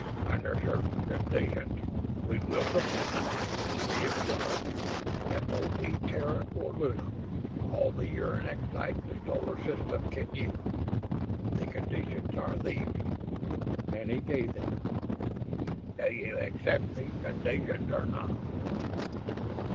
Under certain conditions we will supply, free of charge, FOB Terra or Luna, all the uranexite the Solar System can use. The conditions are these," and he gave them. "Do you accept these conditions or not?"